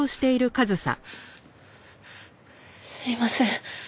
すいません。